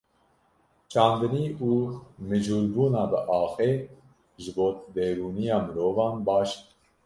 Çandinî û mijûlbûna bi axê ji bo derûniya mirovan baş e.